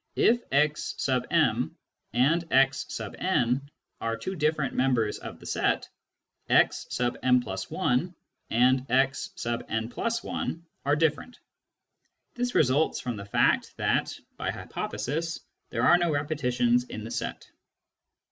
if x m and x n are two different members of the set, x^ ^ and x n+1 are different ; this results from the fact that (by hypothesis) there are no repetitions in the set.